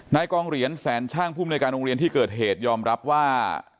นายกองเหรียญแสนช่างภูมิในการโรงเรียนที่เกิดเหตุยอมรับว่า